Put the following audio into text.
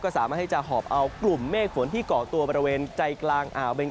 สามารถหอบเอากลุ่มเมกฝนที่เกาะตัวบริเวณฝั่งใจกลางอาวเบงก่อ